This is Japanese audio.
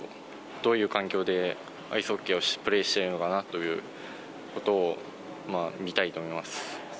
どういう環境で、アイスホッケーをプレーしているのかなということを、見たいと思います。